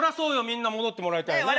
みんな戻ってもらいたいわ。